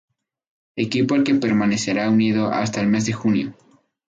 Equipo al que permanecerá unido hasta el mes de junio.